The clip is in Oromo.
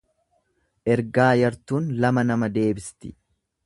Ergaa yartuun lama nama deebisti.